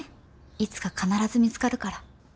いつか必ず見つかるから。